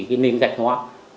cái nền gạch hóa